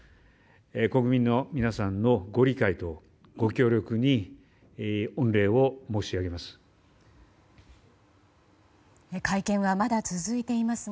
国民の皆さんのご理解とご協力に御礼を申し上げます。